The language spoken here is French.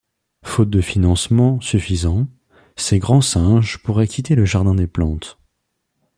Faute de financements suffisants, ces grands singes pourraient quitter le jardin des plantes.